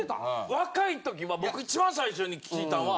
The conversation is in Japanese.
若いときは僕一番最初に聞いたんは。